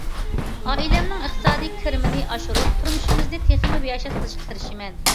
ئائىلەمنىڭ ئىقتىسادىي كىرىمىنى ئاشۇرۇپ، تۇرمۇشىمىزنى تېخىمۇ باياشات قىلىشقا تىرىشىمەن.